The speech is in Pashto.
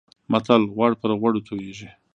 متل: غوړ پر غوړو تويېږي.